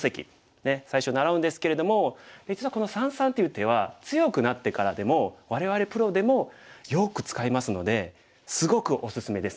ねえ最初習うんですけれども実はこの三々という手は強くなってからでも我々プロでもよく使いますのですごくおすすめです。